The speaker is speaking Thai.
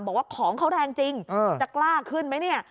บอกว่าของเขาแรงจริงจะกล้าขึ้นไหมเนี่ย